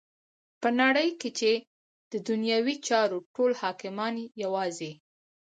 په نړی کی چی ددنیوی چارو ټول حاکمان یواځی